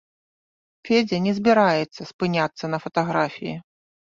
Федзя не збіраецца спыняцца на фатаграфіі.